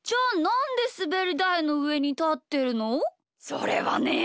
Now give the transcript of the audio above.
それはね